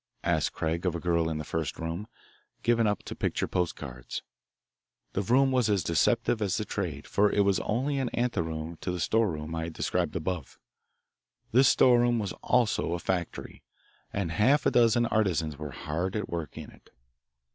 asked Craig of a girl in the first room, given up to picture post cards. The room was as deceptive as the trade, for it was only an anteroom to the storeroom I have described above. This storeroom was also a factory, and half a dozen artisans were hard at work in it.